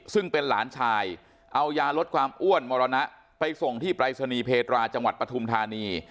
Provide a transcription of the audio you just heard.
ซึ่งเป็นหลานชายเอายาลดความอ้วนมรณะไปส่งที่ปรายศนีย์เพตราจังหวัดปฐุมธานี